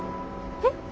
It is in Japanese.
えっ？